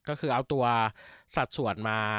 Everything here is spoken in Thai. ก็คือเอาตัวสัดส่วนมา